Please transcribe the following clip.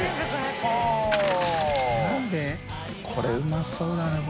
これうまそうだね